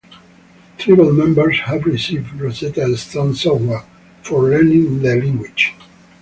Tribal members have received Rosetta Stone software for learning the language.